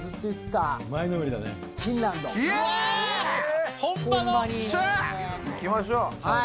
行きましょう。